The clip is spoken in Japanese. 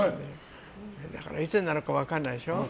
だから、いつになるか分からないでしょ。